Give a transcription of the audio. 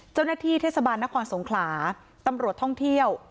เจ้าหน้าที่เทศบาลนครสงขลาตำรวจท่องเที่ยว